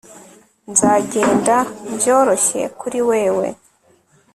nzagenda byoroshye kuri wewe